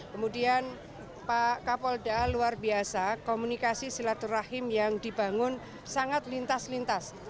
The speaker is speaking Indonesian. kemudian pak kapolda luar biasa komunikasi silaturahim yang dibangun sangat lintas lintas